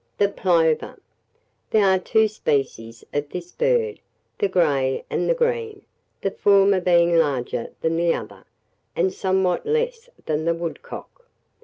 THE PLOVER. There are two species of this bird, the grey and the green, the former being larger than the other, and somewhat less than the woodcock.